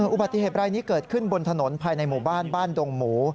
อุบัติเหตุรายนี้เกิดขึ้นบนถนนภายในหมู่บ้านบ้านดงหมู